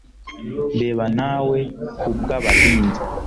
Reba nawe kubw Abahinza